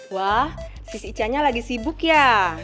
wah si si cahnya lagi sibuk ya